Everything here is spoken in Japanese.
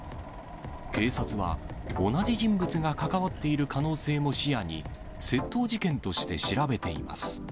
警察は同じ人物が関わっている可能性も視野に、窃盗事件として調べています。